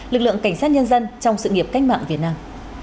lực lượng cảnh sát nhân dân trong sự nghiệp cách mạng việt nam